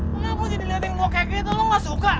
kenapa jadi liat yang lo kek gitu lo gak suka